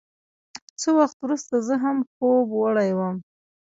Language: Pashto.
څه وخت وروسته زه هم خوب وړی وم.